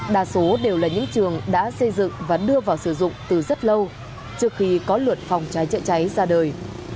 đa số đều là những trường đã xây dựng và đưa vào sử dụng từ rất lâu trước khi có luật phòng cháy chữa cháy ra đời